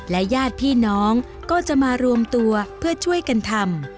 ญาติพี่น้องก็จะมารวมตัวเพื่อช่วยกันทำ